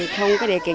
không có điều kiện